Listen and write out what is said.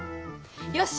よし！